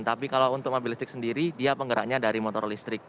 tapi kalau untuk mobil listrik sendiri dia penggeraknya dari motor listrik